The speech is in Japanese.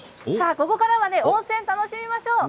ここからは温泉を楽しみましょう。